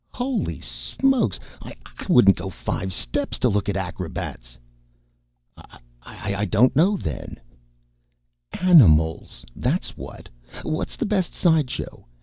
"Holy Smokes! I wouldn't go five steps to look at acrobats." "I don't know then." "Animals, that's what! What's the best side show?